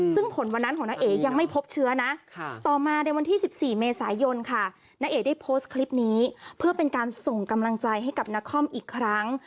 ซึ่งผลวันนั้นของน้าเอ๋ยังไม่พบเชื้อนะต่อมาในวันที่๑๔เมษายนค่ะณเอกได้โพสต์คลิปนี้เพื่อเป็นการส่งกำลังใจให้กับนครอีกครั้ง